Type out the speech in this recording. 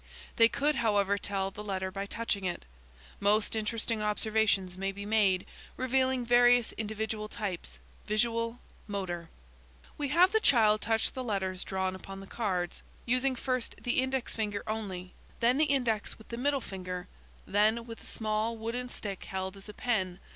"They could however tell the letter by touching it. Most interesting observations may be made, revealing various individual types: visual, motor. "We have the child touch the letters drawn upon the cards,–using first the index finger only, then the index with the middle finger,–then with a small wooden stick held as a pen.